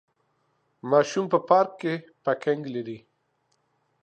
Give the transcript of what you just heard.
ماشوم په پارک کې پکنک لري.